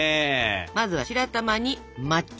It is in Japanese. まずは白玉に抹茶。